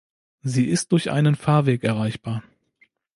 Sie ist durch einen Fahrweg erreichbar.